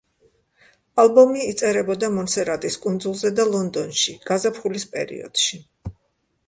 ალბომი იწერებოდა მონსერატის კუნძულზე და ლონდონში, გაზაფხულის პერიოდში.